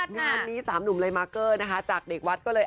งานนี้๓หนุ่มเลยมาร์เกอร์นะคะจากเด็กวัดก็เลย